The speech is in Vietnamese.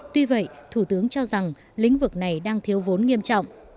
tuy vậy thủ tướng cho rằng lĩnh vực này đang thiếu vốn nghiêm trọng